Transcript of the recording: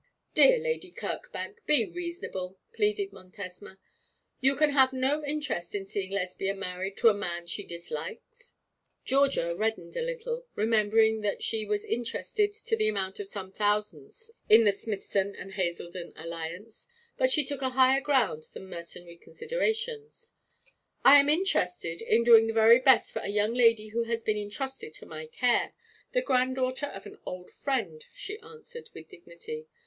'Dear Lady Kirkbank, be reasonable,' pleaded Montesma; 'you can have no interest in seeing Lesbia married to a man she dislikes.' Georgia reddened a little, remembering that she was interested to the amount of some thousands in the Smithson and Haselden alliance; but she took a higher ground than mercenary considerations. 'I am interested in doing the very best for a young lady who has been entrusted to my care, the granddaughter of an old friend,' she answered, with dignity.